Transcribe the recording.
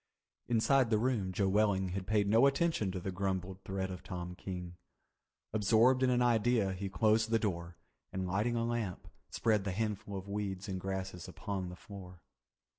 Inside the room Joe Welling had paid no attention to the grumbled threat of Tom King. Absorbed in an idea he closed the door and, lighting a lamp, spread the handful of weeds and grasses upon the floor.